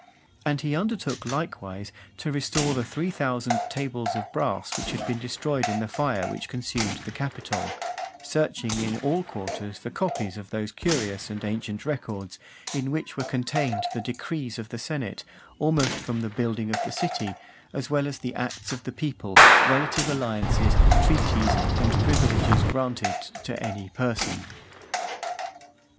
And he undertook, likewise, to restore the three thousand tables of brass which had been destroyed in the fire which consumed the Capitol; searching in all quarters for copies of those curious and ancient records, in which were contained the decrees of the senate, almost from the building of the city, as well as the acts of the people, relative to alliances, treaties, and privileges granted to any person.